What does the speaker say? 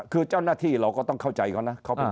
คือเจ้าหน้าที่เราก็ต้องเข้าใจเขานะ